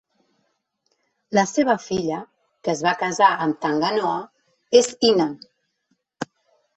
La seva filla, que es va casar amb Tangaroa, és Ina.